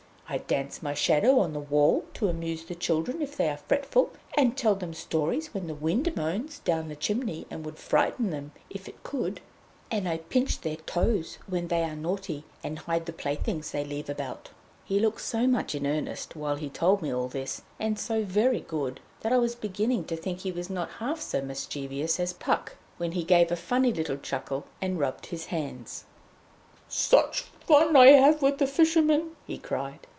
I dance my shadow on the wall to amuse the children if they are fretful, and tell them stories when the wind moans down the chimney and would frighten them if it could. And I pinch their toes when they are naughty, and hide the playthings they leave about." He looked so much in earnest while he told me all this, and so very good, that I was beginning to think he was not half so mischievous as Puck, when he gave a funny little chuckle, and rubbed his hands. "Such fun as I have with the fishermen!" he cried.